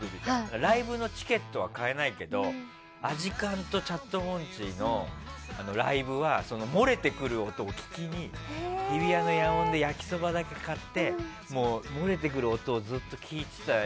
ライブのチケットは買えないけどアジカンとチャットモンチーのライブは漏れてくる音を聴きに日比谷の野音で焼きそばだけ買って漏れてくる音だけずっと聴いてた。